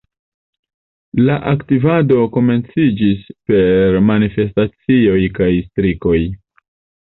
La aktivado komenciĝis per manifestacioj kaj strikoj.